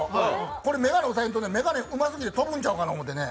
これ、眼鏡押さえんとね眼鏡飛ぶんちゃうかなと思ってね。